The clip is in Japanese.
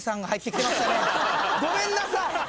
ごめんなさい。